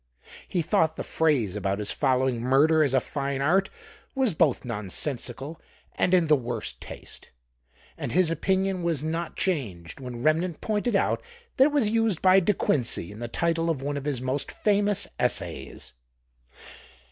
He thought the phrase about his following murder as a fine art was both nonsensical and in the worst taste, and his opinion was not changed when Remnant pointed out that it was used by De Quincey in the title of one of his most famous essays.